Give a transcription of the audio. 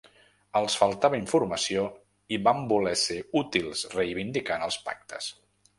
Els faltava informació i vam voler ser útils reivindicant els pactes.